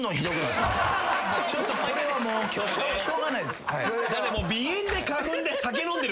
ちょっとこれはもう今日しょうがないです。だって。